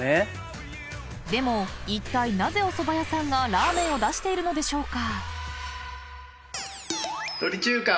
［でもいったいなぜおそば屋さんがラーメンを出しているのでしょうか？］